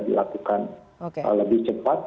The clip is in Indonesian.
dilakukan lebih cepat